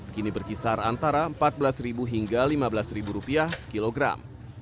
kini berkisar antara rp empat belas hingga rp lima belas sekilogram